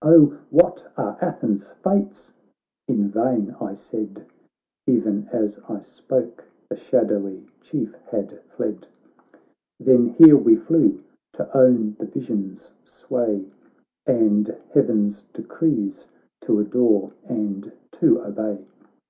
Oh, what are Athens' fates? " In vain I said ; E'en as I spoke the shadowy Chief had fled. Then here we flew to own the vision's sway. And heaven's decrees to adore and to obey.